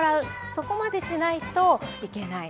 そこまでしないといけない。